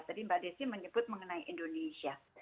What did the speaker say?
tadi mbak desi menyebut mengenai indonesia